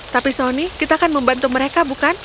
tapi sony kita akan membantu mereka bukan